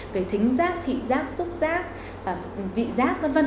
về thính giác thị giác xúc giác vị giác